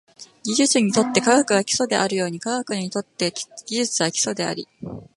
技術にとって科学が基礎であるように、科学にとって技術は基礎であり、